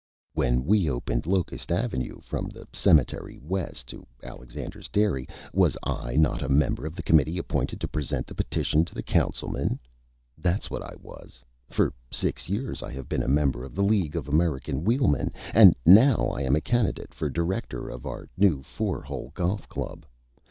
When we opened Locust avenue from the Cemetery west to Alexander's Dairy, was I not a Member of the Committee appointed to present the Petition to the Councilmen? That's what I was! For Six Years I have been a Member of the League of American Wheelmen and now I am a Candidate for Director of our new four hole Golf Club.